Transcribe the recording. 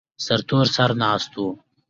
سرتور سر ناست و.